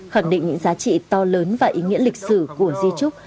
khẳng định những giá trị to lớn và ý nghĩa lịch sử của di trúc